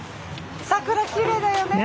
桜きれいだよね。